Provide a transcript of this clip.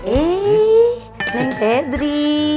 eh neng pedri